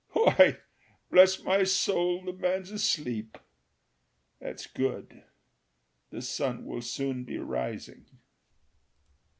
Why, bless my soul, the man's asleep! That's good. The sun will soon be rising."